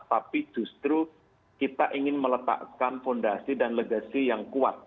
tapi justru kita ingin meletakkan fondasi dan legacy yang kuat